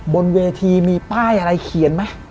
บนเวทีมีป้ายอะไรเขียนไหม